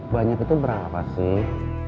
banyak itu berapa sih